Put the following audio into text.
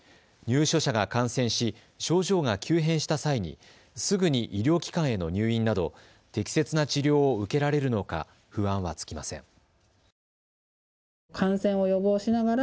入所者が感染し症状が急変した際に、すぐに医療機関への入院など適切な治療を受けられるのか不安は尽きません。